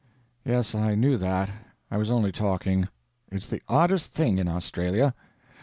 "Yes, I knew that. I was only talking. It's the oddest thing in Australia.